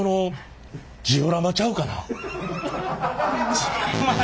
違います。